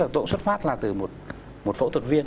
tôi cũng xuất phát là từ một phẫu thuật viên